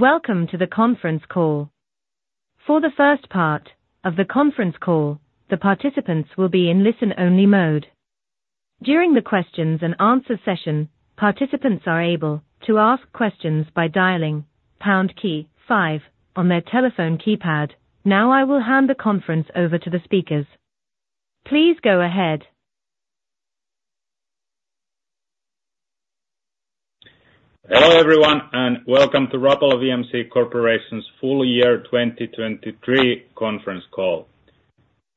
Welcome to the conference call. For the first part of the conference call, the participants will be in listen-only mode. During the questions-and-answers session, participants are able to ask questions by dialing pound key 5 on their telephone keypad. Now I will hand the conference over to the speakers. Please go ahead. Hello everyone and welcome to Rapala VMC Corporation's full year 2023 conference call.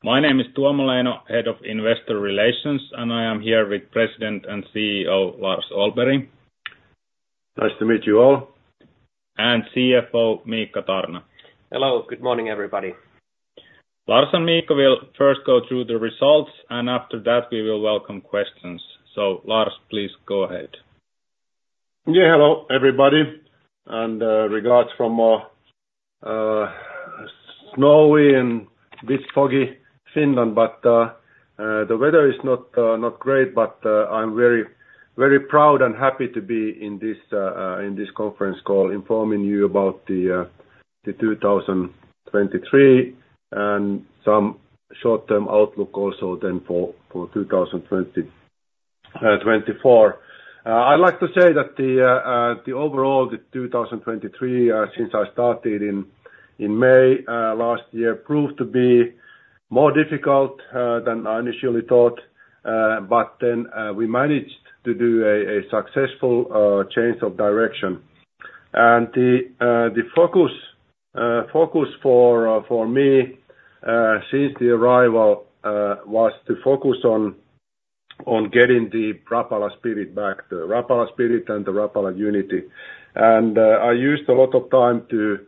My name is Tuomo Leino, Head of Investor Relations, and I am here with President and CEO Lars Ollberg. Nice to meet you all. CFO Miikka Tarna. Hello, good morning everybody. Lars and Miikka will first go through the results, and after that we will welcome questions. So Lars, please go ahead. Yeah, hello everybody. Regards from snowy and a bit foggy Finland, but the weather is not great, but I'm very proud and happy to be in this conference call informing you about the 2023 and some short-term outlook also then for 2024. I'd like to say that overall the 2023, since I started in May last year, proved to be more difficult than I initially thought, but then we managed to do a successful change of direction. The focus for me since the arrival was to focus on getting the Rapala spirit back, the Rapala spirit and the Rapala unity. I used a lot of time to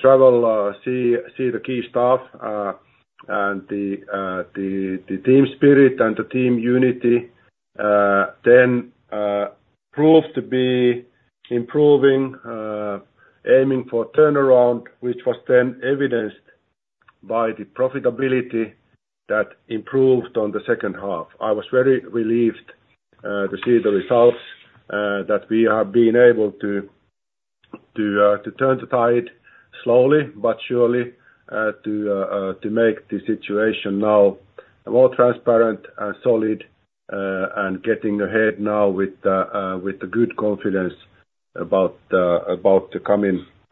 travel, see the key staff, and the team spirit and the team unity then proved to be improving, aiming for turnaround, which was then evidenced by the profitability that improved on the second half. I was very relieved to see the results, that we have been able to turn the tide slowly but surely to make the situation now more transparent and solid, and getting ahead now with good confidence about the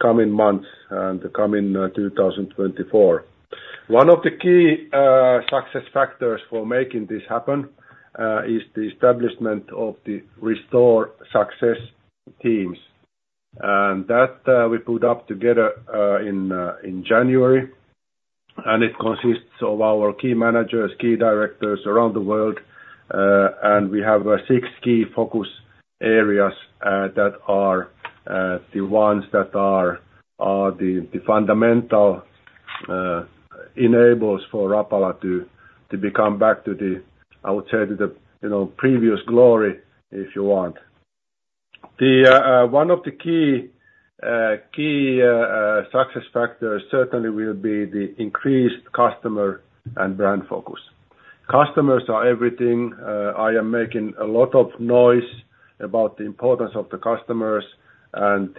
coming months and the coming 2024. One of the key success factors for making this happen is the establishment of the Restore Success teams. And that we put up together in January, and it consists of our key managers, key directors around the world, and we have six key focus areas that are the ones that are the fundamental enablers for Rapala to become back to, I would say, to the previous glory, if you want. One of the key success factors certainly will be the increased customer and brand focus. Customers are everything. I am making a lot of noise about the importance of the customers, and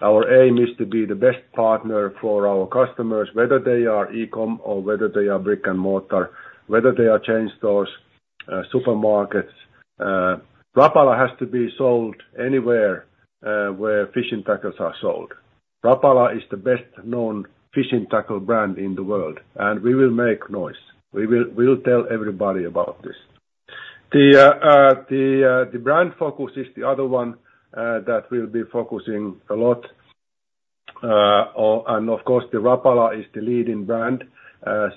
our aim is to be the best partner for our customers, whether they are e-com or whether they are brick and mortar, whether they are chain stores, supermarkets. Rapala has to be sold anywhere where fishing tackles are sold. Rapala is the best-known fishing tackle brand in the world, and we will make noise. We will tell everybody about this. The brand focus is the other one that we'll be focusing a lot. Of course, the Rapala is the leading brand,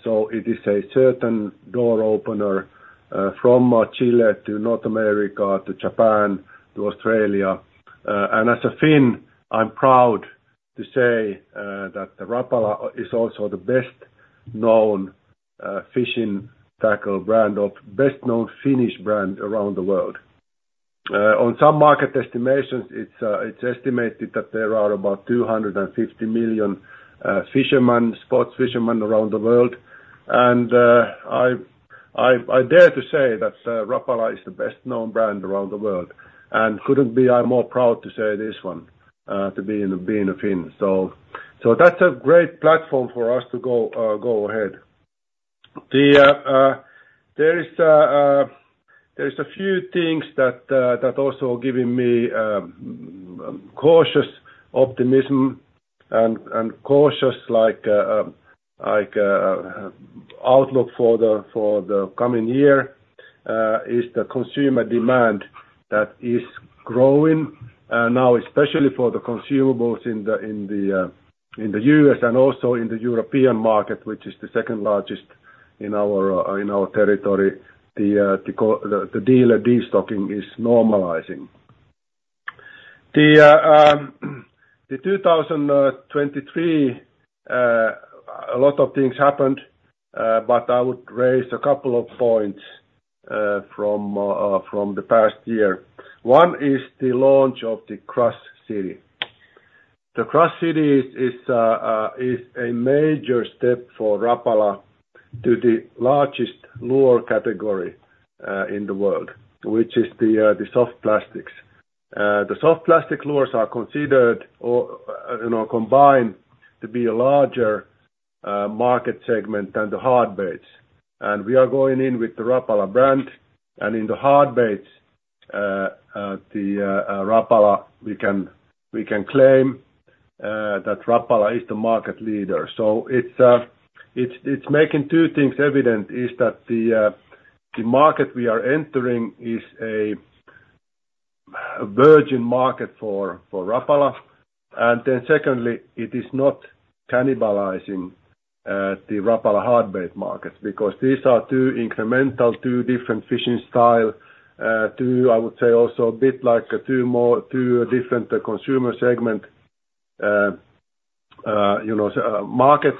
so it is a certain door opener from Chile to North America to Japan to Australia. As a Finn, I'm proud to say that the Rapala is also the best-known fishing tackle brand of best-known Finnish brand around the world. On some market estimations, it's estimated that there are about 250 million fishermen, sports fishermen around the world, and I dare to say that Rapala is the best-known brand around the world. And I couldn't be more proud to say this one, to be a Finn. So that's a great platform for us to go ahead. There is a few things that also are giving me cautious optimism and cautious outlook for the coming year: the consumer demand that is growing now, especially for the consumables in the U.S. and also in the European market, which is the second largest in our territory. The dealer destocking is normalizing. In 2023, a lot of things happened, but I would raise a couple of points from the past year. One is the launch of the CrushCity. The CrushCity is a major step for Rapala to the largest lure category in the world, which is the soft plastics. The soft plastic lures are considered or combined to be a larger market segment than the hard baits. We are going in with the Rapala brand, and in the hard baits, the Rapala, we can claim that Rapala is the market leader. It's making two things evident, is that the market we are entering is a virgin market for Rapala, and then secondly, it is not cannibalizing the Rapala hard bait market because these are two incremental, two different fishing style, two, I would say, also a bit like two different consumer segment markets.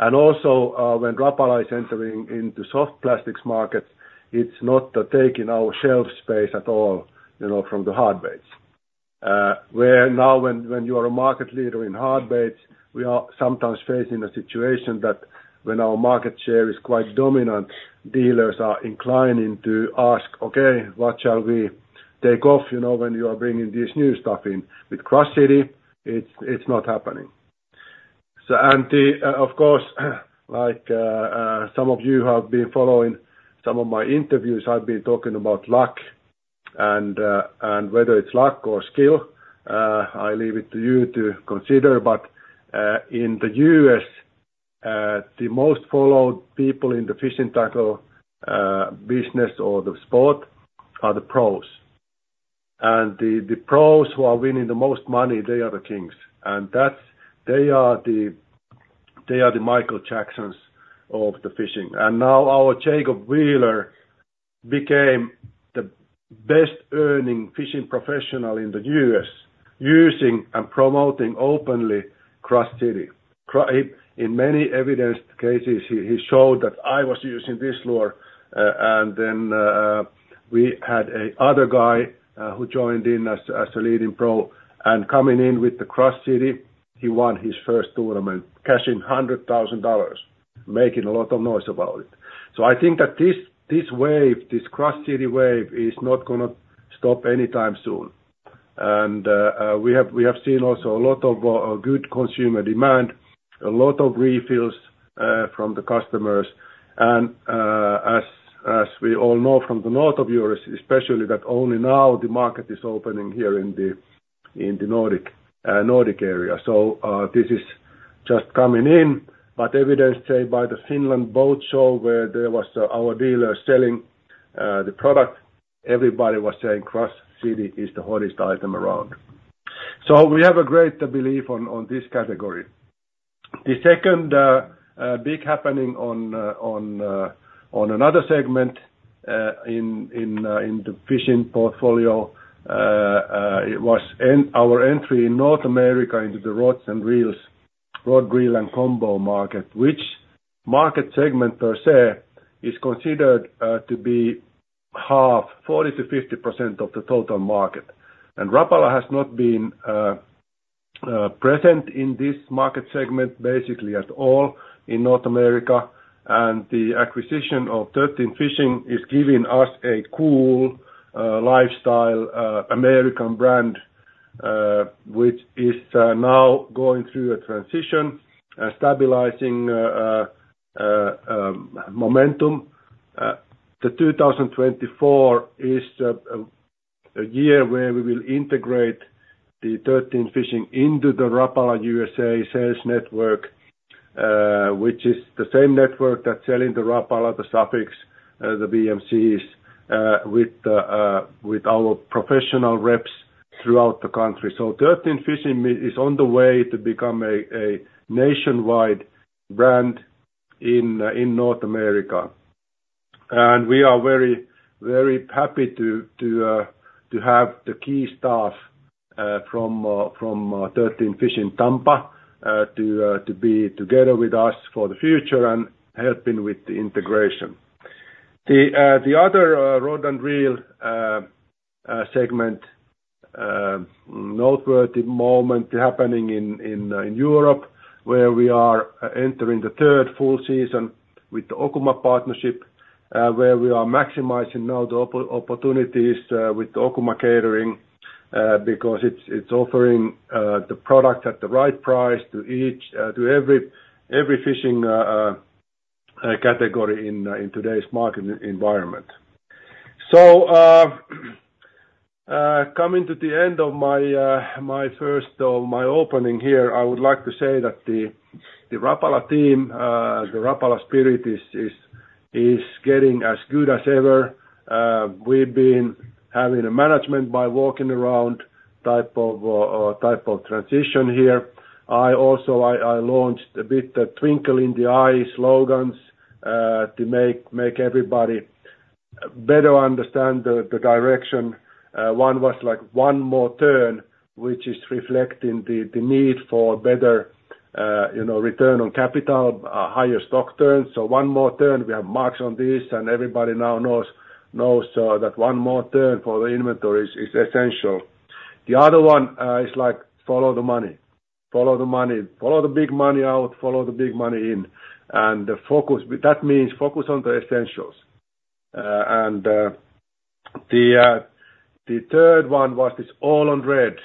Also when Rapala is entering into soft plastics markets, it's not taking our shelf space at all from the hard baits. Where now when you are a market leader in hard baits, we are sometimes facing a situation that when our market share is quite dominant, dealers are inclining to ask, "Okay, what shall we take off when you are bringing this new stuff in?" With CrushCity, it's not happening. And of course, like some of you have been following some of my interviews, I've been talking about luck and whether it's luck or skill. I leave it to you to consider. But in the U.S., the most followed people in the fishing tackle business or the sport are the pros. And the pros who are winning the most money, they are the kings. And they are the Michael Jacksons of the fishing. And now our Jacob Wheeler became the best-earning fishing professional in the U.S. using and promoting openly CrushCity. In many evidenced cases, he showed that I was using this lure, and then we had another guy who joined in as a leading pro. And coming in with the CrushCity, he won his first tournament, cashing $100,000, making a lot of noise about it. So I think that this wave, this CrushCity wave, is not going to stop anytime soon. And we have seen also a lot of good consumer demand, a lot of refills from the customers. And as we all know from the north of Europe, especially, that only now the market is opening here in the Nordic area. So this is just coming in. But evidenced, say, by the Finland boat show where there was our dealer selling the product, everybody was saying CrushCity is the hottest item around. So we have a great belief on this category. The second big happening on another segment in the fishing portfolio was our entry in North America into the rods and reels, rod-reel and combo market, which market segment per se is considered to be half, 40%-50% of the total market. Rapala has not been present in this market segment basically at all in North America. The acquisition of 13 Fishing is giving us a cool lifestyle American brand, which is now going through a transition and stabilizing momentum. The 2024 is a year where we will integrate the 13 Fishing into the Rapala USA sales network, which is the same network that's selling the Rapala, the Sufix, the VMCs, with our professional reps throughout the country. 13 Fishing is on the way to become a nationwide brand in North America. We are very, very happy to have the key staff from 13 Fishing Tampa to be together with us for the future and helping with the integration. The other rod and reel segment, noteworthy moment happening in Europe where we are entering the third full season with the Okuma partnership, where we are maximizing now the opportunities with the Okuma catering because it's offering the product at the right price to every fishing category in today's market environment. Coming to the end of my first, my opening here, I would like to say that the Rapala team, the Rapala spirit is getting as good as ever. We've been having a management by walking around type of transition here. Also, I launched a bit the Twinkle in the Eye slogans to make everybody better understand the direction. One was like one more turn, which is reflecting the need for better return on capital, higher stock turns. So one more turn, we have marks on these, and everybody now knows that one more turn for the inventory is essential. The other one is like follow the money. Follow the money. Follow the big money out. Follow the big money in. And that means focus on the essentials. And the third one was this all on red.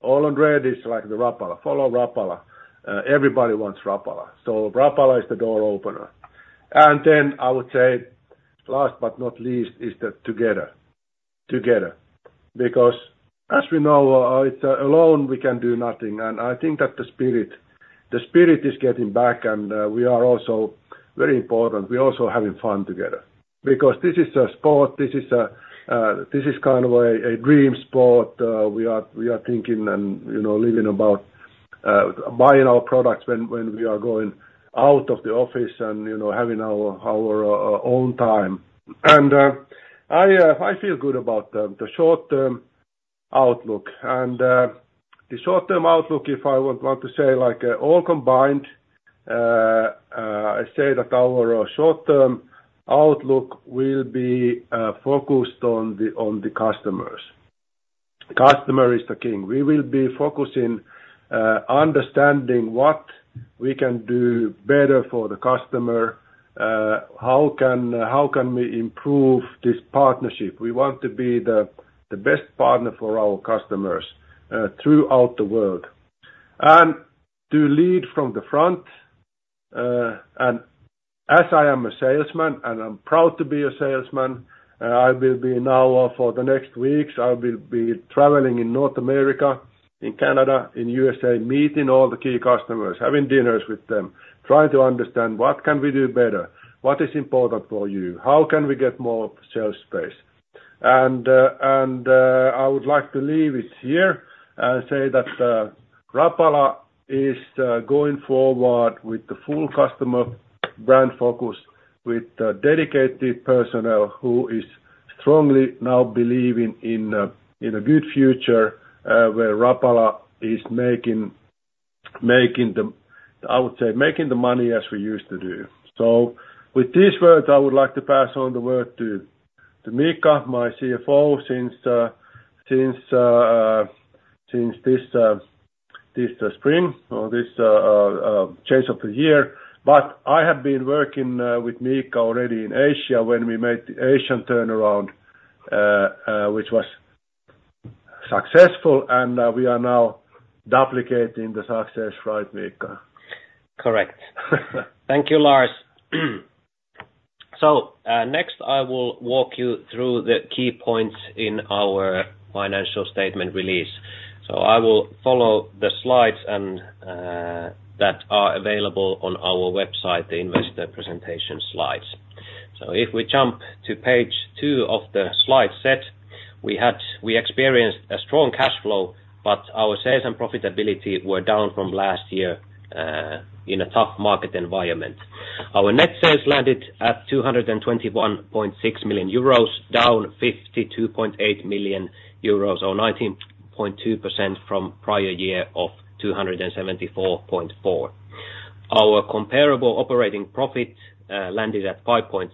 All on red is like the Rapala. Follow Rapala. Everybody wants Rapala. So Rapala is the door opener. And then I would say, last but not least, is that together. Together. Because as we know, alone we can do nothing. And I think that the spirit is getting back, and we are also very important. We're also having fun together because this is a sport. This is kind of a dream sport. We are thinking and living about buying our products when we are going out of the office and having our own time. I feel good about the short-term outlook. The short-term outlook, if I want to say all combined, I say that our short-term outlook will be focused on the customers. Customer is the king. We will be focusing on understanding what we can do better for the customer, how can we improve this partnership? We want to be the best partner for our customers throughout the world. To lead from the front, and as I am a salesman, and I'm proud to be a salesman, I will be now for the next weeks, I will be traveling in North America, in Canada, in the USA, meeting all the key customers, having dinners with them, trying to understand what can we do better, what is important for you, how can we get more sales space. I would like to leave it here and say that Rapala is going forward with the full customer brand focus, with dedicated personnel who is strongly now believing in a good future where Rapala is making, I would say, making the money as we used to do. With these words, I would like to pass on the word to Miikka, my CFO, since this spring or this change of the year. But I have been working with Miikka already in Asia when we made the Asian turnaround, which was successful, and we are now duplicating the success, right, Miikka? Correct. Thank you, Lars. So next, I will walk you through the key points in our financial statement release. So I will follow the slides that are available on our website, the investor presentation slides. So if we jump to page 2 of the slide set, we experienced a strong cash flow, but our sales and profitability were down from last year in a tough market environment. Our net sales landed at 221.6 million euros, down 52.8 million euros, or 19.2% from prior year of 274.4 million. Our comparable operating profit landed at 5.6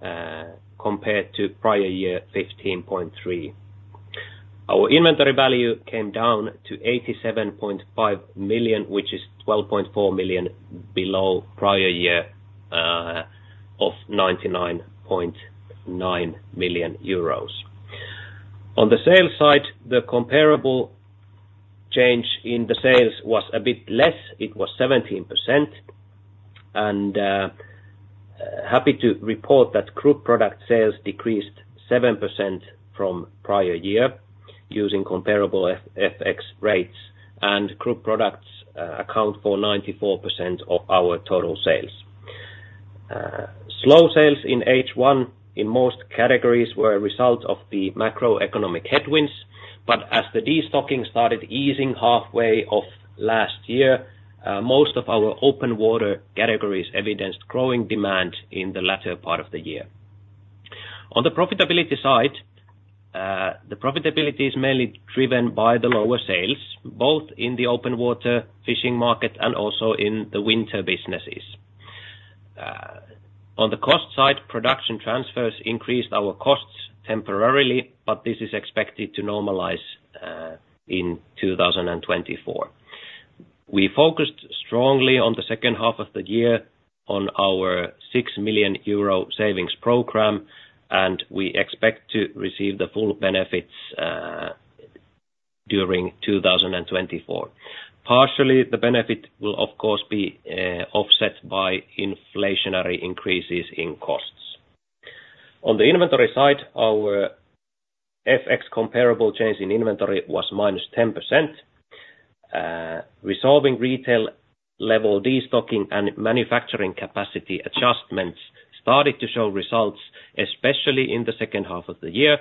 million compared to prior year 15.3 million. Our inventory value came down to 87.5 million, which is 12.4 million below prior year of 99.9 million euros. On the sales side, the comparable change in the sales was a bit less. It was 17%. Happy to report that group product sales decreased 7% from prior year using comparable FX rates, and group products account for 94% of our total sales. Slow sales in H1 in most categories were a result of the macroeconomic headwinds, but as the destocking started easing halfway off last year, most of our open water categories evidenced growing demand in the latter part of the year. On the profitability side, the profitability is mainly driven by the lower sales, both in the open water fishing market and also in the winter businesses. On the cost side, production transfers increased our costs temporarily, but this is expected to normalize in 2024. We focused strongly on the second half of the year on our 6 million euro savings program, and we expect to receive the full benefits during 2024. Partially, the benefit will, of course, be offset by inflationary increases in costs. On the inventory side, our FX comparable change in inventory was -10%. Resolving retail-level destocking and manufacturing capacity adjustments started to show results, especially in the second half of the year.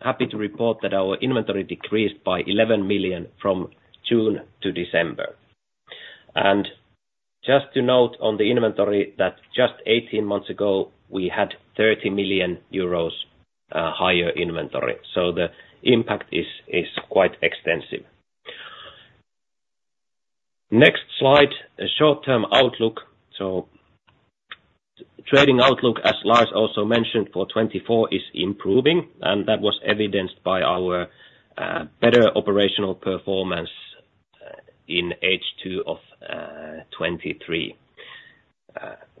Happy to report that our inventory decreased by 11 million from June to December. Just to note on the inventory that just 18 months ago, we had 30 million euros higher inventory. The impact is quite extensive. Next slide, a short-term outlook. Trading outlook, as Lars also mentioned, for 2024 is improving, and that was evidenced by our better operational performance in H2 of 2023.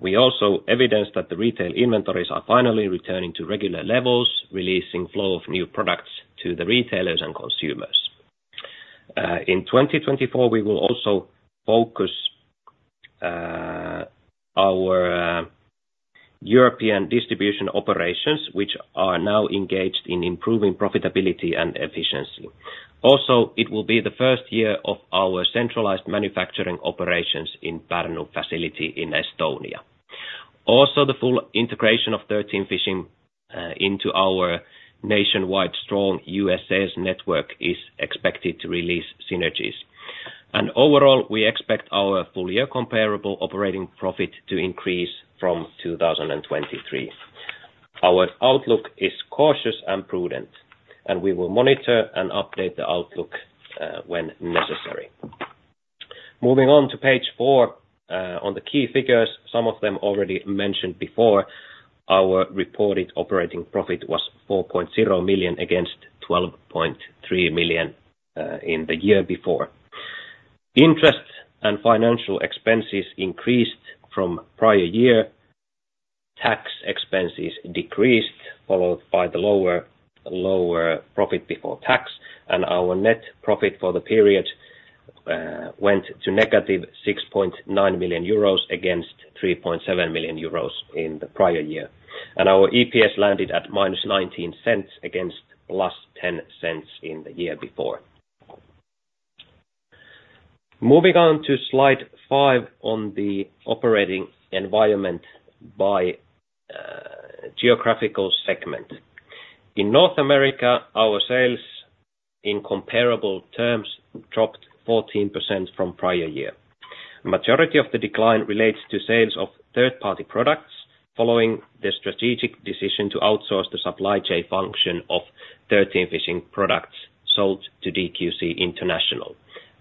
We also evidenced that the retail inventories are finally returning to regular levels, releasing flow of new products to the retailers and consumers. In 2024, we will also focus our European distribution operations, which are now engaged in improving profitability and efficiency. Also, it will be the first year of our centralized manufacturing operations in Pärnu facility in Estonia. Also, the full integration of 13 Fishing into our nationwide strong U.S. sales network is expected to release synergies. And overall, we expect our full-year comparable operating profit to increase from 2023. Our outlook is cautious and prudent, and we will monitor and update the outlook when necessary. Moving on to page four on the key figures, some of them already mentioned before, our reported operating profit was 4.0 million against 12.3 million in the year before. Interest and financial expenses increased from prior year. Tax expenses decreased, followed by the lower profit before tax, and our net profit for the period went to negative 6.9 million euros against 3.7 million euros in the prior year. Our EPS landed at -0.19 EUR against +0.10 EUR in the year before. Moving on to slide 5 on the operating environment by geographical segment. In North America, our sales in comparable terms dropped 14% from prior year. The majority of the decline relates to sales of third-party products following the strategic decision to outsource the supply chain function of 13 Fishing products sold to DQC International,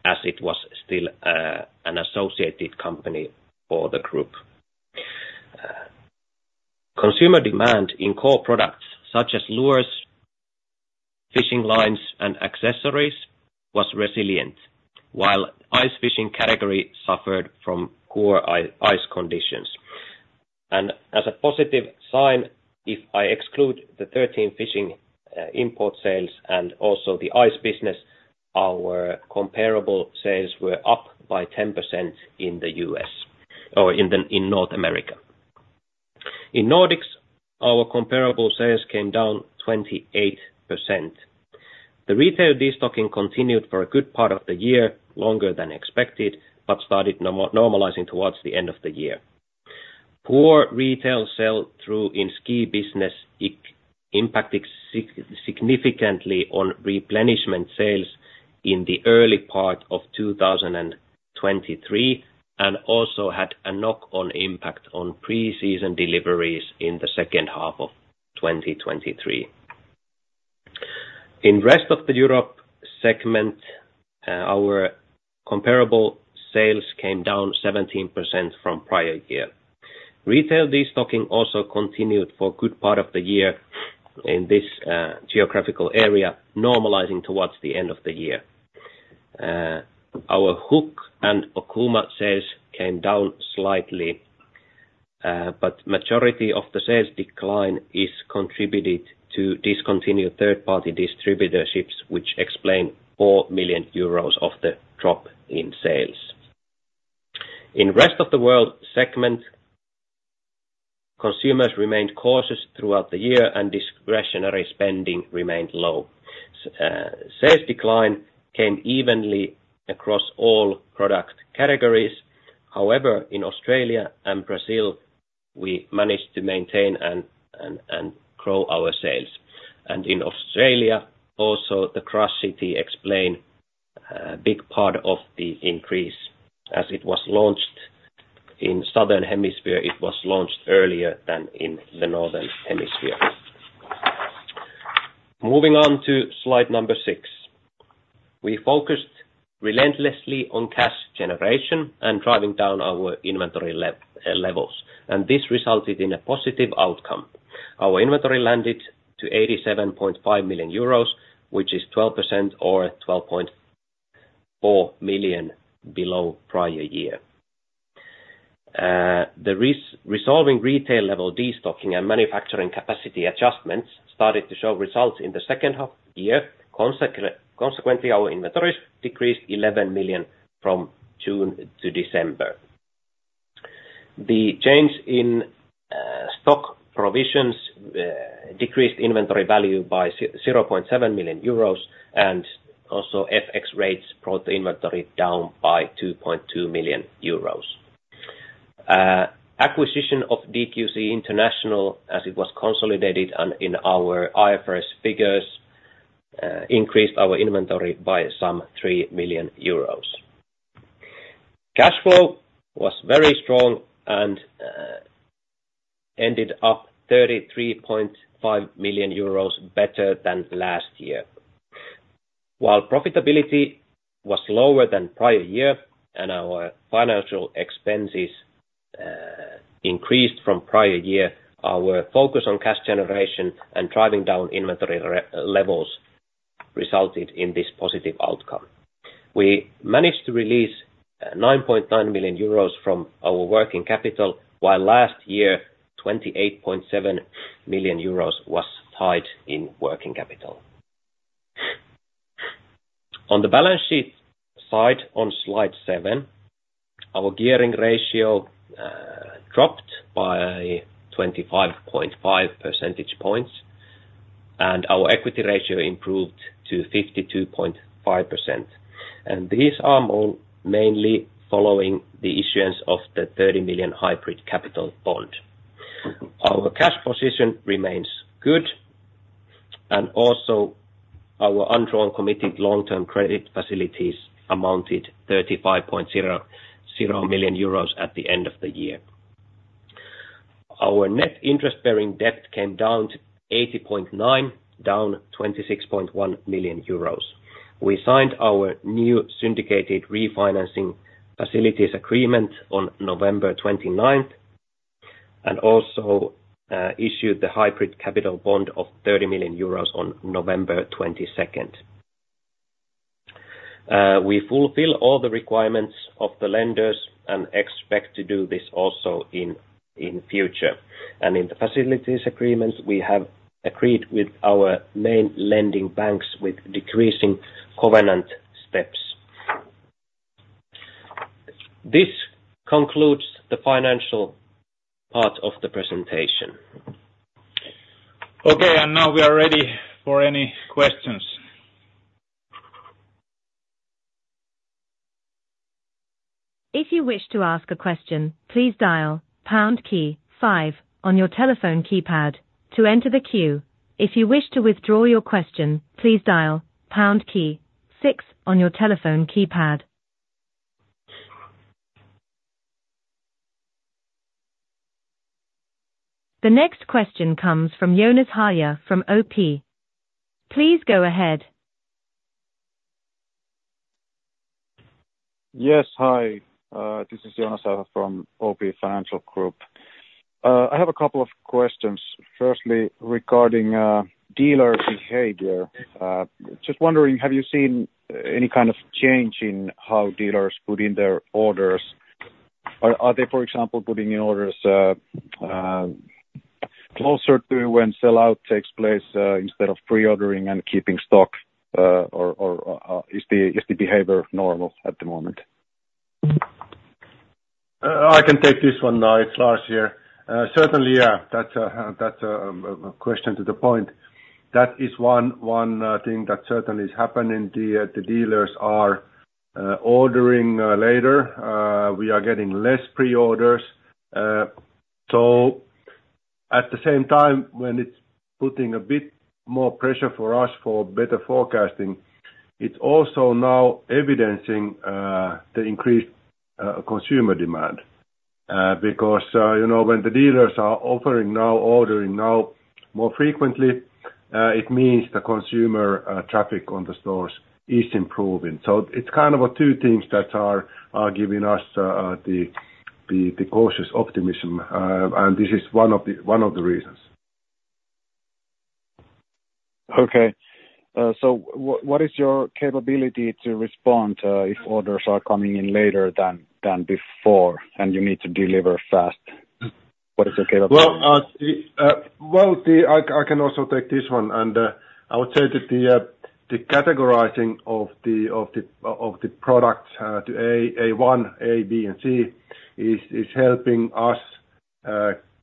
as it was still an associated company for the group. Consumer demand in core products such as lures, fishing lines and accessories was resilient, while ice fishing category suffered from poor ice conditions. As a positive sign, if I exclude the 13 Fishing import sales and also the ice business, our comparable sales were up by 10% in the U.S. or in North America. In Nordics, our comparable sales came down 28%. The retail destocking continued for a good part of the year, longer than expected, but started normalizing towards the end of the year. Poor retail sell-through in ski business impacted significantly on replenishment sales in the early part of 2023 and also had a knock-on impact on pre-season deliveries in the second half of 2023. In the rest of the Europe segment, our comparable sales came down 17% from prior year. Retail destocking also continued for a good part of the year in this geographical area, normalizing towards the end of the year. Our hook and Okuma sales came down slightly, but the majority of the sales decline is contributed to discontinued third-party distributorships, which explain 4 million euros of the drop in sales. In the rest of the world segment, consumers remained cautious throughout the year, and discretionary spending remained low. Sales decline came evenly across all product categories. However, in Australia and Brazil, we managed to maintain and grow our sales. In Australia, also, the CrushCity explained a big part of the increase. As it was launched in the southern hemisphere, it was launched earlier than in the northern hemisphere. Moving on to slide number 6, we focused relentlessly on cash generation and driving down our inventory levels, and this resulted in a positive outcome. Our inventory landed to 87.5 million euros, which is 12% or 12.4 million below prior year. The resolving retail-level destocking and manufacturing capacity adjustments started to show results in the second half of the year. Consequently, our inventories decreased 11 million from June to December. The change in stock provisions decreased inventory value by 0.7 million euros, and also FX rates brought the inventory down by 2.2 million euros. Acquisition of DQC International, as it was consolidated in our IFRS figures, increased our inventory by some 3 million euros. Cash flow was very strong and ended up 33.5 million euros better than last year. While profitability was lower than prior year and our financial expenses increased from prior year, our focus on cash generation and driving down inventory levels resulted in this positive outcome. We managed to release 9.9 million euros from our working capital, while last year, 28.7 million euros was tied in working capital. On the balance sheet side on slide 7, our gearing ratio dropped by 25.5 percentage points, and our equity ratio improved to 52.5%. These are mainly following the issuance of the 30 million hybrid capital bond. Our cash position remains good, and also, our undrawn committed long-term credit facilities amounted to 35.0 million euros at the end of the year. Our net interest-bearing debt came down to 80.9 million, down 26.1 million euros. We signed our new syndicated refinancing facilities agreement on November 29th and also issued the hybrid capital bond of 30 million euros on November 22nd. We fulfill all the requirements of the lenders and expect to do this also in future. In the facilities agreements, we have agreed with our main lending banks with decreasing covenant steps. This concludes the financial part of the presentation. Okay, now we are ready for any questions. If you wish to ask a question, please dial pound key 5 on your telephone keypad to enter the queue. If you wish to withdraw your question, please dial pound key 6 on your telephone keypad. The next question comes from Joonas Häyhä from OP Financial Group. Please go ahead. Yes, hi. This is Joonas Häyhä from OP Financial Group. I have a couple of questions. Firstly, regarding dealer behavior, just wondering, have you seen any kind of change in how dealers put in their orders? Are they, for example, putting in orders closer to when sell-out takes place instead of pre-ordering and keeping stock, or is the behavior normal at the moment? I can take this one now. It's Lars here. Certainly, yeah, that's a question to the point. That is one thing that certainly is happening. The dealers are ordering later. We are getting less pre-orders. So at the same time, when it's putting a bit more pressure for us for better forecasting, it's also now evidencing the increased consumer demand. Because when the dealers are offering now, ordering now more frequently, it means the consumer traffic on the stores is improving. So it's kind of two things that are giving us the cautious optimism, and this is one of the reasons. Okay. So what is your capability to respond if orders are coming in later than before and you need to deliver fast? What is your capability? Well, I can also take this one. And I would say that the categorizing of the products to A1, A, B, and C is helping us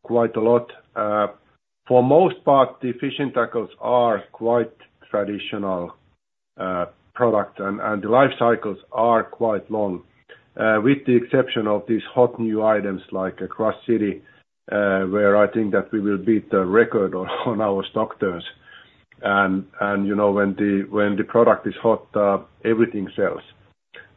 quite a lot. For the most part, the fishing tackles are quite traditional products, and the life cycles are quite long, with the exception of these hot new items like a CrushCity, where I think that we will beat the record on our stock turns. And when the product is hot, everything sells.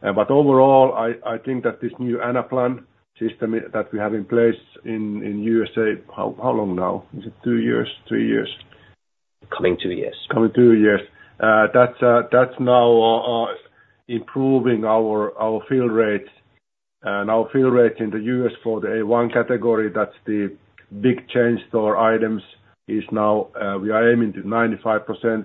But overall, I think that this new Anaplan system that we have in place in the USA—how long now? Is it 2 years, 3 years?—coming 2 years. Coming 2 years. That's now improving our fill rates. And our fill rates in the US for the A1 category, that's the big chain store items, is now we are aiming to 95%,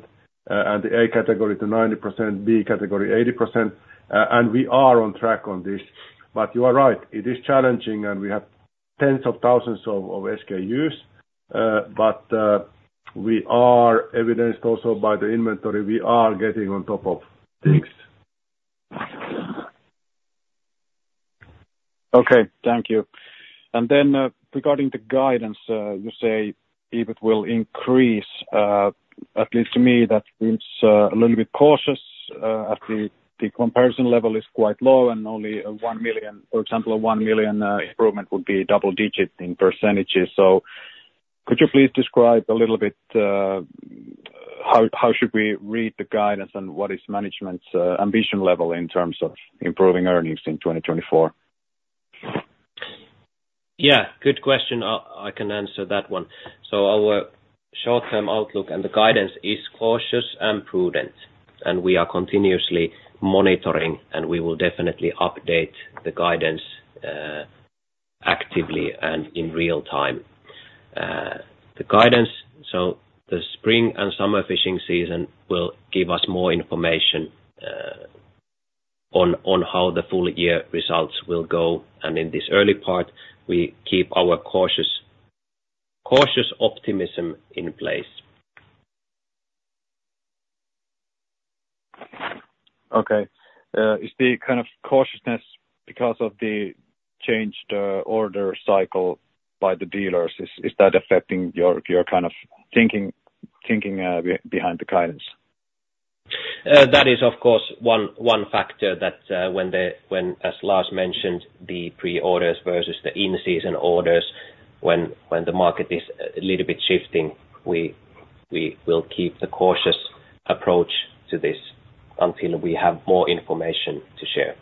and the A category to 90%, B category 80%. And we are on track on this. But you are right. It is challenging, and we have tens of thousands of SKUs. But we are evidenced also by the inventory. We are getting on top of things. Okay. Thank you. Then regarding the guidance, you say it will increase. At least to me, that seems a little bit cautious. The comparison level is quite low, and only 1 million for example, a 1 million improvement would be double-digit in percentages. So could you please describe a little bit how should we read the guidance and what is management's ambition level in terms of improving earnings in 2024? Yeah. Good question. I can answer that one. So our short-term outlook and the guidance is cautious and prudent, and we are continuously monitoring, and we will definitely update the guidance actively and in real time. The guidance so the spring and summer fishing season will give us more information on how the full-year results will go. In this early part, we keep our cautious optimism in place. Okay. Is the kind of cautiousness because of the changed order cycle by the dealers? Is that affecting your kind of thinking behind the guidance? That is, of course, one factor that, when, as Lars mentioned, the pre-orders versus the in-season orders, when the market is a little bit shifting, we will keep the cautious approach to this until we have more information to share.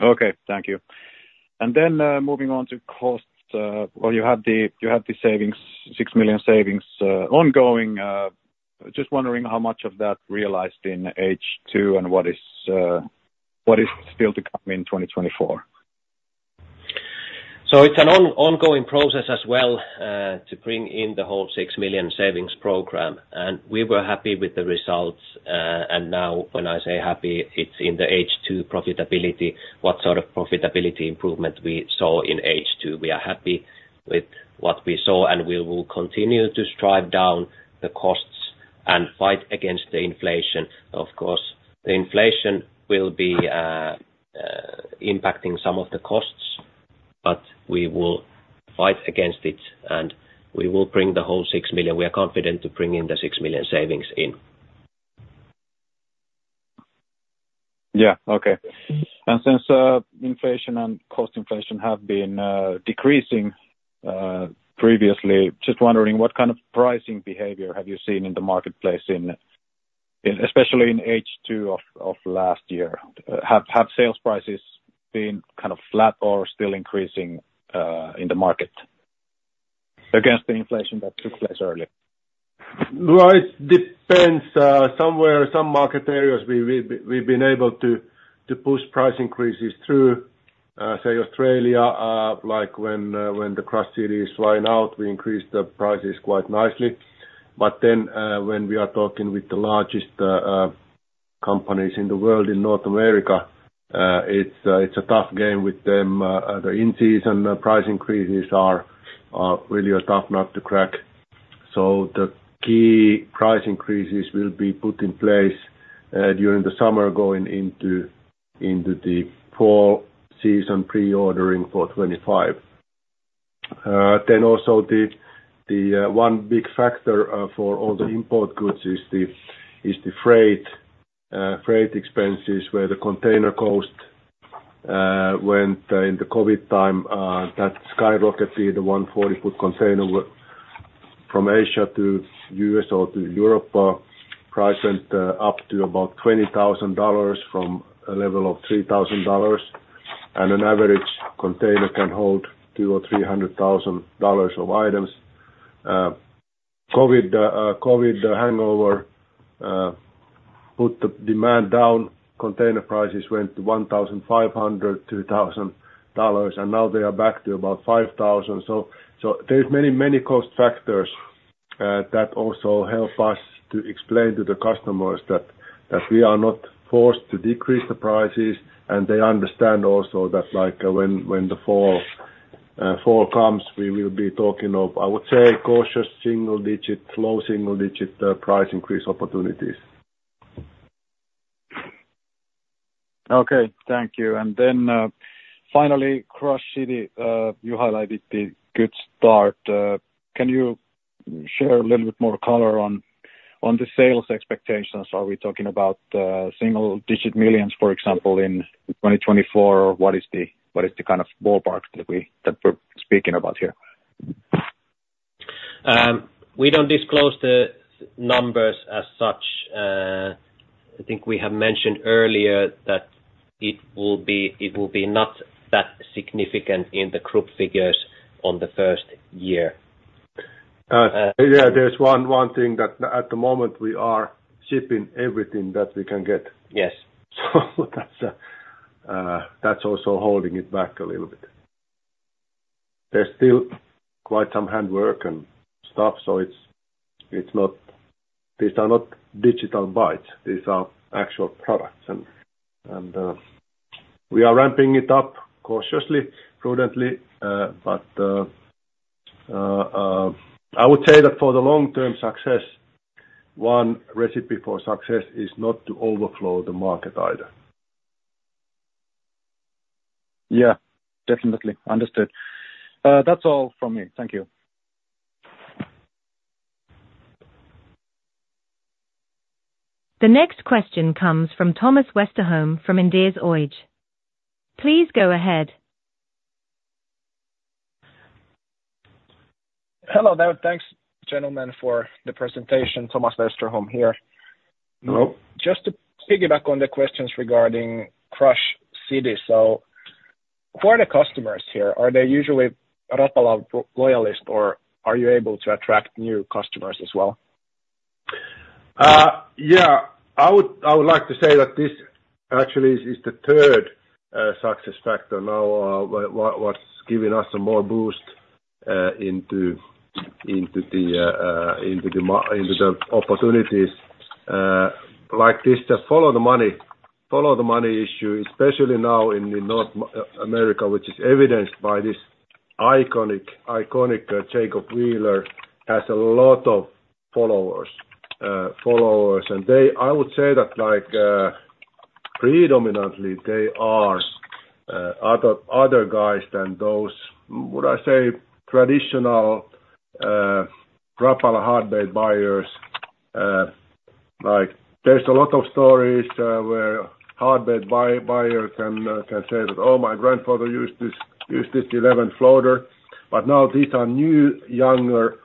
Okay. Thank you. And then moving on to costs. Well, you have the savings, 6 million savings ongoing. Just wondering how much of that realized in H2, and what is still to come in 2024? So it's an ongoing process as well to bring in the whole 6 million savings program. And we were happy with the results. Now when I say happy, it's in the H2 profitability, what sort of profitability improvement we saw in H2. We are happy with what we saw, and we will continue to strive down the costs and fight against the inflation. Of course, the inflation will be impacting some of the costs, but we will fight against it, and we will bring the whole 6 million. We are confident to bring in the 6 million savings in. Yeah. Okay. Since inflation and cost inflation have been decreasing previously, just wondering, what kind of pricing behavior have you seen in the marketplace, especially in H2 of last year? Have sales prices been kind of flat or still increasing in the market against the inflation that took place earlier? Well, it depends. Some market areas, we've been able to push price increases through. In Australia, when the CrushCity is flying out, we increase the prices quite nicely. But then when we are talking with the largest companies in the world, in North America, it's a tough game with them. The in-season price increases are really a tough nut to crack. So the key price increases will be put in place during the summer going into the fall season, pre-ordering for 2025. Then also, the one big factor for all the import goods is the freight expenses, where the container cost went in the COVID time. That skyrocketed, the 140-foot container from Asia to the US or to Europe, price went up to about $20,000 from a level of $3,000. And an average container can hold $200,000-$300,000 of items. COVID hangover put the demand down. Container prices went to $1,500, $2,000, and now they are back to about $5,000. So there are many, many cost factors that also help us to explain to the customers that we are not forced to decrease the prices. And they understand also that when the fall comes, we will be talking of, I would say, cautious single-digit, low single-digit price increase opportunities. Okay. Thank you. And then finally, CrushCity, you highlighted the good start. Can you share a little bit more color on the sales expectations? Are we talking about single-digit millions, for example, in 2024, or what is the kind of ballpark that we're speaking about here? We don't disclose the numbers as such. I think we have mentioned earlier that it will be not that significant in the group figures on the first year. Yeah. There's one thing that at the moment, we are shipping everything that we can get. So that's also holding it back a little bit. There's still quite some handwork and stuff, so it's not. These are not digital bites. These are actual products. And we are ramping it up cautiously, prudently. But I would say that for the long-term success, one recipe for success is not to overflow the market either. Yeah. Definitely. Understood. That's all from me. Thank you. The next question comes from Thomas Westerholm from Inderes. Please go ahead. Hello, there. Thanks, gentlemen, for the presentation. Thomas Westerholm here. Just to piggyback on the questions regarding CrushCity, so who are the customers here? Are they usually Rapala loyalists, or are you able to attract new customers as well? Yeah. I would like to say that this actually is the third success factor now, what's giving us a more boost into the opportunities. Like this, just follow the money issue, especially now in North America, which is evidenced by this iconic Jacob Wheeler has a lot of followers. And I would say that predominantly, they are other guys than those, would I say, traditional Rapala hard bait buyers. There's a lot of stories where hard bait buyers can say that, "Oh, my grandfather used this Original Floater." But now these are new, younger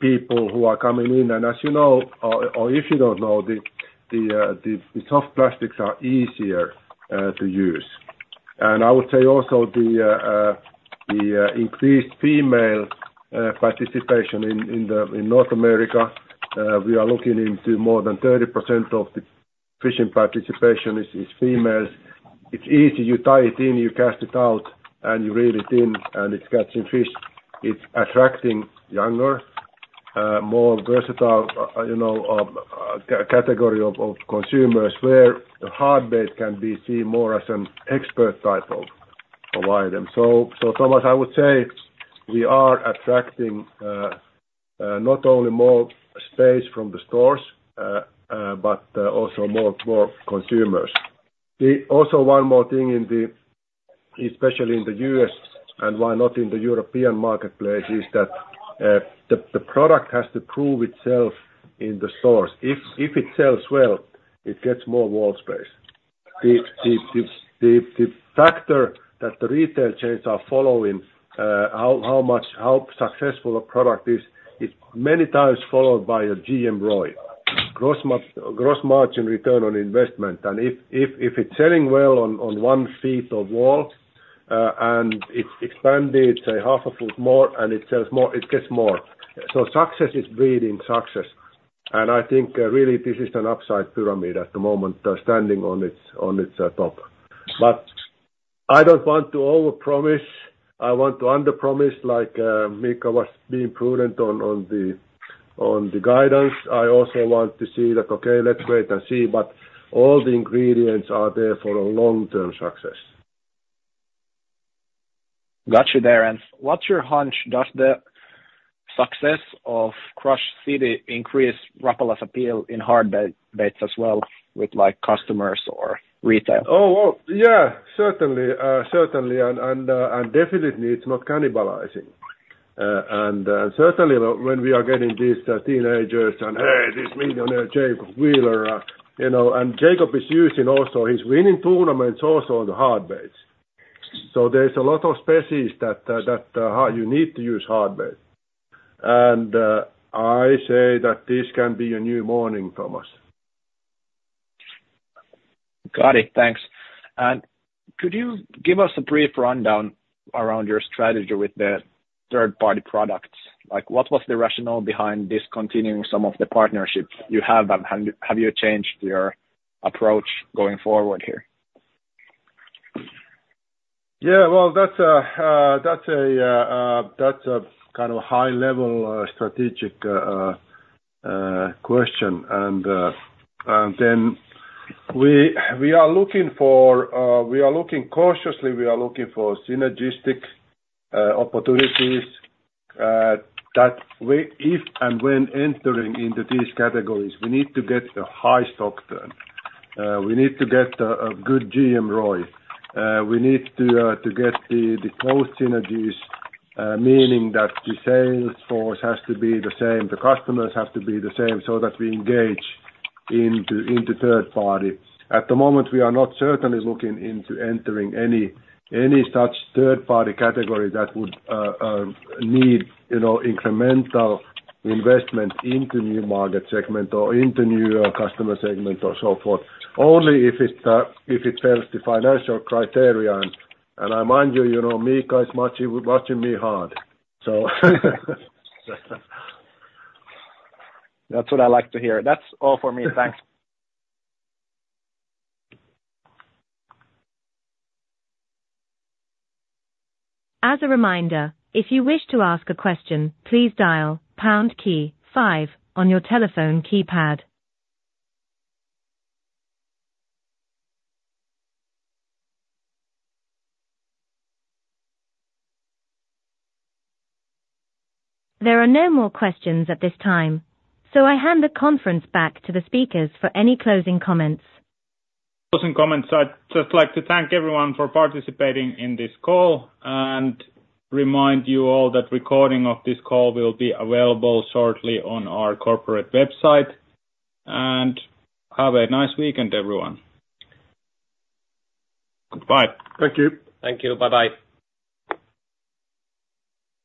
people who are coming in. And as you know or if you don't know, the soft plastics are easier to use. And I would say also the increased female participation in North America. We are looking into more than 30% of the fishing participation is females. It's easy. You tie it in, you cast it out, and you reel it in, and it's catching fish. It's attracting younger, more versatile category of consumers where the hard bait can be seen more as an expert type of item. So Thomas, I would say we are attracting not only more space from the stores but also more consumers. Also, one more thing, especially in the U.S. and why not in the European marketplace, is that the product has to prove itself in the stores. If it sells well, it gets more wall space. The factor that the retail chains are following, how successful a product is, is many times followed by a GMROI, gross margin return on investment. And if it's selling well on one foot of wall and it's expanded, say, half a foot more, and it sells more, it gets more. So success is breeding success. And I think really, this is an upside pyramid at the moment standing on its top. But I don't want to overpromise. I want to underpromise. Like Miikka was being prudent on the guidance, I also want to see that, "Okay, let's wait and see." But all the ingredients are there for a long-term success. Got you there, Lars. What's your hunch? Does the success of CrushCity increase Rapala's appeal in hard baits as well with customers or retail? Oh, yeah. Certainly. Certainly. And definitely, it's not cannibalizing. And certainly, when we are getting these teenagers and, "Hey, this millionaire Jacob Wheeler," and Jacob is using also his winning tournaments also on the hard baits. So there's a lot of species that you need to use hard bait. And I say that this can be a new morning, Thomas. Got it. Thanks. Could you give us a brief rundown around your strategy with the third-party products? What was the rationale behind discontinuing some of the partnerships you have, and have you changed your approach going forward here? Yeah. Well, that's a kind of high-level strategic question. And then we are looking cautiously for synergistic opportunities that, if and when entering into these categories, we need to get a high stock turn. We need to get a good GMROI. We need to get the close synergies, meaning that the sales force has to be the same. The customers have to be the same so that we engage into third-party. At the moment, we are not certainly looking into entering any such third-party category that would need incremental investment into new market segment or into new customer segment or so forth, only if it falls the financial criteria. And I mind you, Miikka is watching me hard, so. That's what I like to hear. That's all for me. Thanks. As a reminder, if you wish to ask a question, please dial pound key 5 on your telephone keypad. There are no more questions at this time, so I hand the conference back to the speakers for any closing comments. Closing comments. I'd just like to thank everyone for participating in this call and remind you all that the recording of this call will be available shortly on our corporate website. Have a nice weekend, everyone. Goodbye. Thank you. Thank you. Bye-bye.